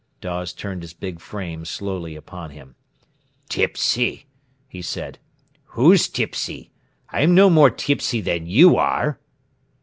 Dawes turned his big frame slowly upon him. "Tipsy!" he said. "Who's tipsy? I'm no more tipsy than you are!"